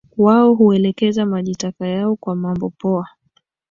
Wao huelekeza maji taka yao kwa mambo poa